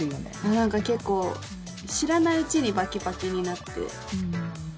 何か結構知らないうちにバキバキになって。